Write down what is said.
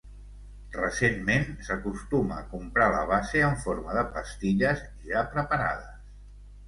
Recentment, s'acostuma a comprar la base en forma de pastilles ja preparades.